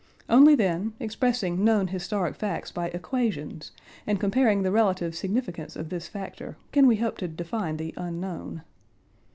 Only then, expressing known historic facts by equations and comparing the relative significance of this factor, can we hope to define the unknown.